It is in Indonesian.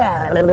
nah damme bro